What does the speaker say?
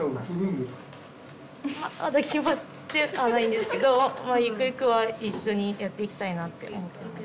まだ決まってはないんですけどゆくゆくは一緒にやっていきたいなって思ってます。